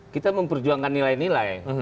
kita memperjuangkan nilai nilai